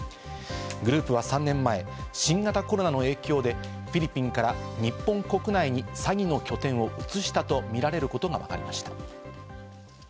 グループは３年前、新型コロナの影響でフィリピンから日本国内に詐欺の拠点を移したとみられることがわかりました。